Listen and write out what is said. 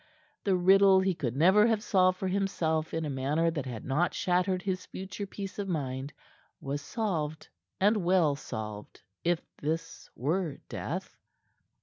The riddle he could never have solved for himself in a manner that had not shattered his future peace of mind, was solved and well solved if this were death.